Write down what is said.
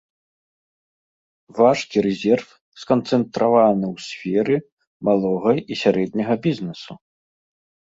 Важкі рэзерв сканцэнтраваны ў сферы малога і сярэдняга бізнэсу.